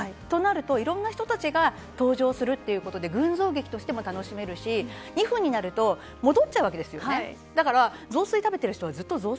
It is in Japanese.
いろんな人たちが登場するということで群像劇としても楽しめますし２分になると戻っちゃうわけですよね。